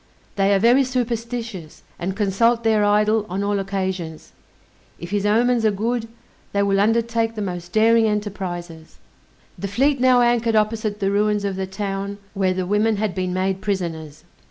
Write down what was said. They are very superstitious, and consult their idol on all occasions. If his omens are good, they will undertake the most daring enterprizes. The fleet now anchored opposite the ruins of the town where the women had been made prisoners.